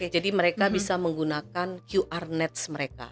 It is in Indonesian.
jadi mereka bisa menggunakan qr nets mereka